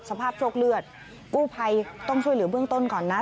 สภาพโชคเลือดกู้ภัยต้องช่วยเหลือเบื้องต้นก่อนนะ